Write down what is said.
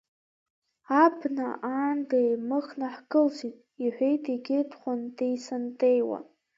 Абна аанда еимыхны ҳкылсит, — иҳәеит егьи дхәантеи-сантеиуа.